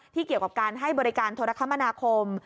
เกี่ยวกับการให้บริการโทรคมนาคม